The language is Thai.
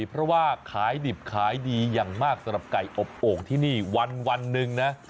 เพราะว่าขายดิบขายดีอย่างมากสำหรับไก่อบโอ่งที่นี่วันหนึ่งนะ